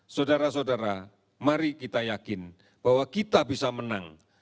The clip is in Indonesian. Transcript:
saudara saudara mari kita yakin bahwa kita bisa menang